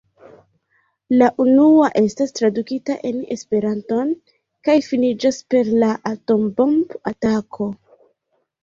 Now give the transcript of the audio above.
La unua estas tradukita en Esperanton kaj finiĝas per la atombomb-atako.